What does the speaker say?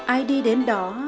ai đi đến đó